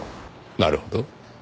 なるほど。